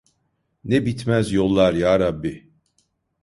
Ne bitmez yollar yarabbi!